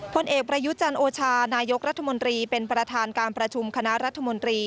ผลเอกประยุจันทร์โอชานายกรัฐมนตรีเป็นประธานการประชุมคณะรัฐมนตรี